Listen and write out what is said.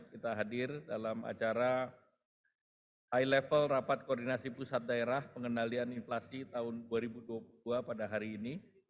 kita hadir dalam acara high level rapat koordinasi pusat daerah pengendalian inflasi tahun dua ribu dua puluh dua pada hari ini